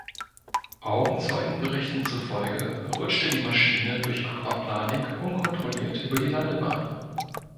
Augenzeugenberichten zufolge rutschte die Maschine durch Aquaplaning unkontrolliert über die Landebahn.